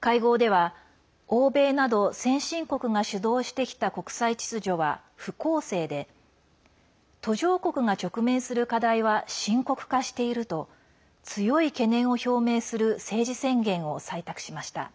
会合では、欧米など先進国が主導してきた国際秩序は不公正で途上国が直面する課題は深刻化していると強い懸念を表明する政治宣言を採択しました。